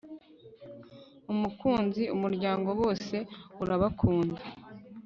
umukunzi umuryango bose urabakunda